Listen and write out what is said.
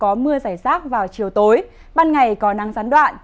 có mưa giải rác vào chiều tối ban ngày có nắng gián đoạn